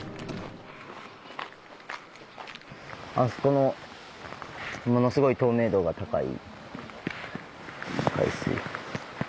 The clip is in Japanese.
あそこのものすごい透明度が高い海水。